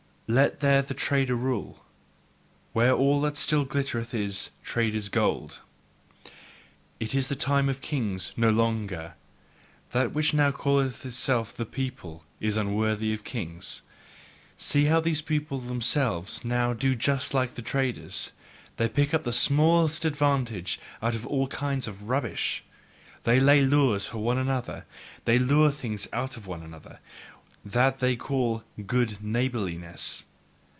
Let there the trader rule, where all that still glittereth is traders' gold. It is the time of kings no longer: that which now calleth itself the people is unworthy of kings. See how these peoples themselves now do just like the traders: they pick up the smallest advantage out of all kinds of rubbish! They lay lures for one another, they lure things out of one another, that they call "good neighbourliness."